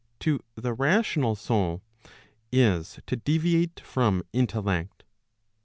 e. to the rational soul,] is to deviate from intellect.